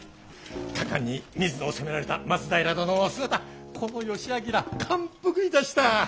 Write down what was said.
果敢に水野を攻められた松平殿のお姿この義昭感服いたした！